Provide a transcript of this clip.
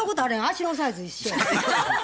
足のサイズ一緒や。